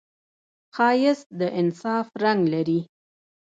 ښایست د انصاف رنګ لري